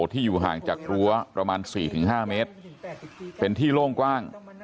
ที่อยู่ห่างจากรั้วประมาณ๔๕เมตรเป็นที่โล่งกว้าง